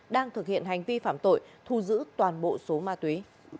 đang thực hiện hành vi phạm tội thu giữ toàn bộ số ma túy